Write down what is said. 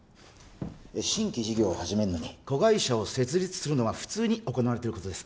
新規事業を始めるのに子会社を設立するのは普通に行われてることです